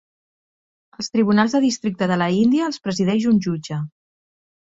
Els Tribunals de Districte de la Índia els presideix un jutge.